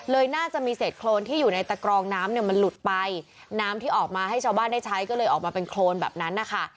น่าจะมีเศษโครนที่อยู่ในตะกรองน้ำเนี่ยมันหลุดไปน้ำที่ออกมาให้ชาวบ้านได้ใช้ก็เลยออกมาเป็นโครนแบบนั้นนะคะ